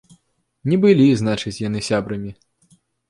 Не былі, значыць, яны сябрамі.